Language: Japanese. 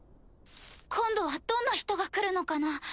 今度はどんな人が来るのかな？